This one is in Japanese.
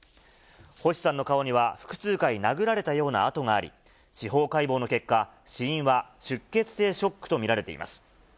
星さんの顔には複数回殴られたような痕があり、司法解剖の結果、死因は出血性ショックと見られています。